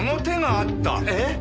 えっ！？